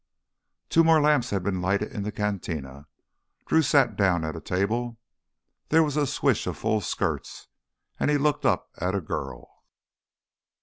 Two more lamps had been lighted in the cantina. Drew sat down at a table. There was a swish of full skirts, and he looked up at a girl.